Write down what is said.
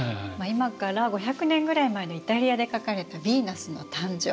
今から５００年ぐらい前のイタリアで描かれた「ヴィーナスの誕生」。